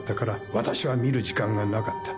私は見る時間がなかった。